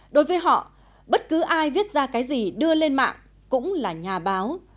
đối với họ bất cứ ai viết ra cái gì đưa lên mạng cũng là nhà báo